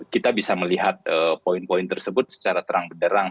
kita bisa melihat poin poin tersebut secara terang benderang